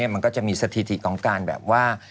มันก็จะมีสถิติของการแบบว่า